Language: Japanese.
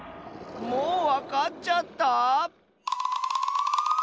もうわかっちゃった？